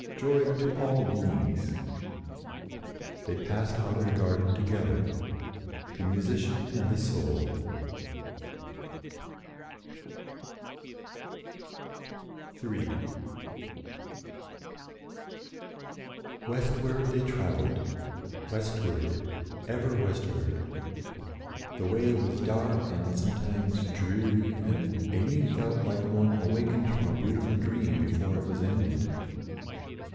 Joy unto all beings!" They passed out of the garden together, the musician and the soul. [Illustration: THROUGH PINE FOREST] III Westward they traveled, westward, ever westward. The way was dark and sometimes dreary, and Eline felt like one awakened from a beautiful dream before it was ended.